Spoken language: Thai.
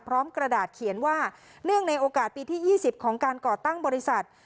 กระดาษเขียนว่าเนื่องในโอกาสปีที่๒๐ของการก่อตั้งบริษัท